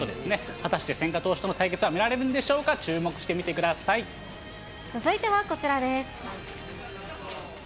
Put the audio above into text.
果たして千賀投手との対決は見られるんでしょうか、注目してみて続いてはこちらです。